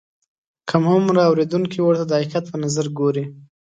کم عمره اورېدونکي ورته د حقیقت په نظر ګوري.